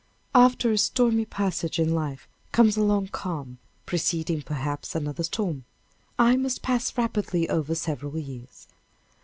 After a stormy passage in life comes a long calm, preceding, perhaps, another storm. I must pass rapidly over several years.